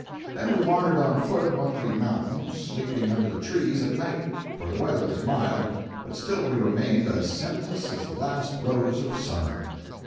Then we wandered on foot among the mountains, sleeping under the trees at night, for the weather was mild, but still we remained as centless as the last rose of summer.